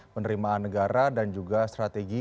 penerimaan negara dan juga strategi